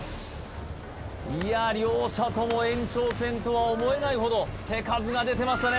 いや両者とも延長戦とは思えないほど手数が出てましたね